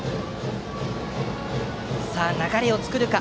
さあ、流れを作るか？